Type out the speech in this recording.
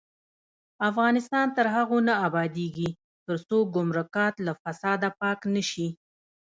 افغانستان تر هغو نه ابادیږي، ترڅو ګمرکات له فساده پاک نشي.